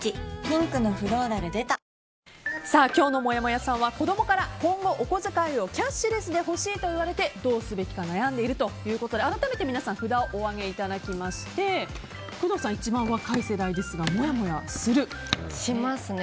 ピンクのフローラル出た今日のもやもやさんは子供から今後、お小遣いをキャッシュレスで欲しいと言われてどうすべきか悩んでいるということで改めて皆さん札をお上げいただきまして工藤さん、一番若い世代ですがしますね。